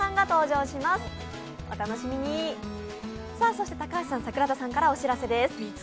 そして高橋さん、桜田さんからお知らせです。